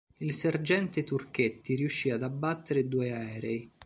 Il sergente Turchetti riuscì ad abbattere due aerei.